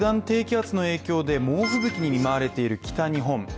低気圧の影響で猛吹雪に見舞われている北日本。